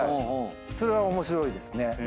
それは面白いですね。